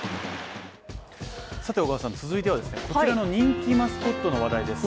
続いては、こちらの人気マスコットの話題です。